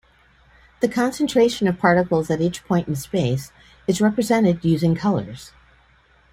The concentration of particles at each point in space is represented using colors.